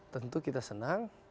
tentu kita senang